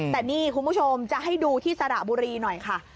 แต่นี่คุณผู้ชมจะให้ดูที่สระบุรีหน่อยค่ะ